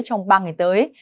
trong ba ngày tới